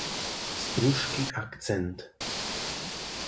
Struski akcent